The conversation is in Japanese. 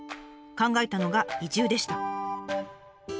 考えたのが移住でした。